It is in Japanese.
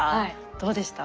どうでした？